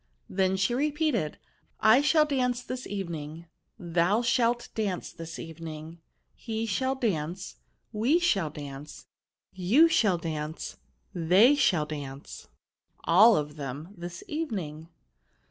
" Then she repeated, ^* I shall dance this evening, thou shalt dance this evening, he shall dance, we shall dance, you shall dance, they shall dance, all of them this evening.